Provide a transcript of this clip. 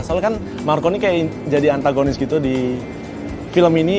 soalnya kan marco ini kayak jadi antagonis gitu di film ini